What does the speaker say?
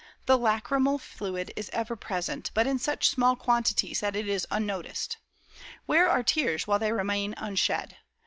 The lachrymal fluid is ever present, but in such small quantities that it is unnoticed. Where are tears while they remain unshed?